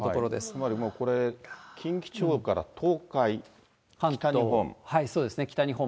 つまりもう、これ、近畿地方から東海、北日本。